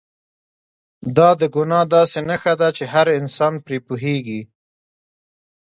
دا د ګناه داسې نښه ده چې هر انسان پرې پوهېږي.